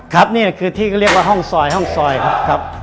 ครับนี่คือที่ก็เรียกว่าห้องซอยห้องซอยครับครับ